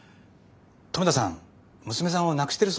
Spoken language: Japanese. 留田さん娘さんを亡くしてるそうなんです。